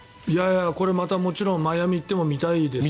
これはもちろんマイアミに行っても見たいです。